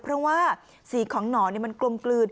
เพราะว่าสีของหนอนมันกลมกลืน